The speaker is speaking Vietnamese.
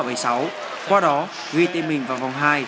qua đó ghi tên mình vào vòng hai